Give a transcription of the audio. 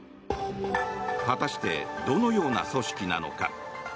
果たしてどのような組織なのか。